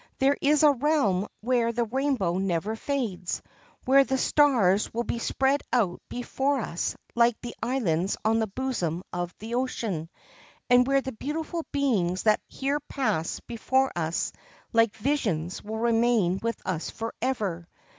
There is a realm where the rainbow never fades, where the stars will be spread out before us like the islands on the bosom of the ocean, and where the beautiful beings that here pass before us like visions will remain with us forever.